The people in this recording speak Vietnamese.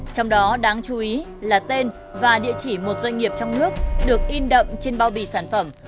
trong đó đáng chú ý là tên và địa chỉ một doanh nghiệp trong nước được in đậm trên bao bì sản phẩm